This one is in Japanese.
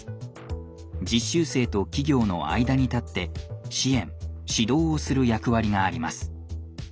実習生と企業の間に立って支援・指導をする役割があります。